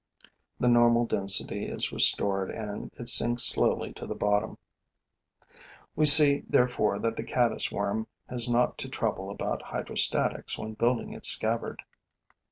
The normal density is restored and it sinks slowly to the bottom. We see, therefore, that the caddis worm has not to trouble about hydrostatics when building its scabbard.